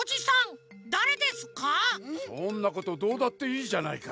そんなことどうだっていいじゃないか。